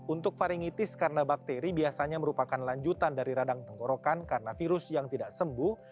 untuk varingitis karena bakteri biasanya merupakan lanjutan dari radang tenggorokan karena virus yang tidak sembuh